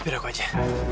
biar aku aja